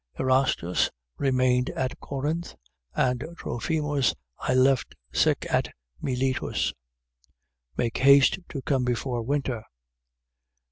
4:20. Erastus remained at Corinth. And Trophimus I left sick at Miletus. 4:21. Make haste to come before winter.